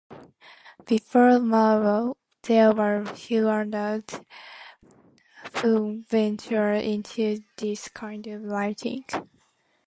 Before Marlowe, there were few authors who ventured into this kind of writing.